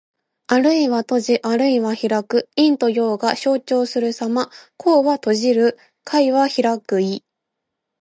あるいは閉じ、あるいは開く。陰と陽が消長するさま。「闔」は閉じる。「闢」は開く意。